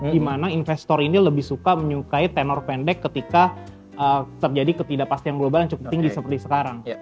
dimana investor ini lebih suka menyukai tenor pendek ketika terjadi ketidakpastian global yang cukup tinggi seperti sekarang